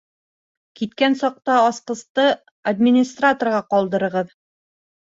Киткән саҡта аскысты администраторға ҡалдырығыҙ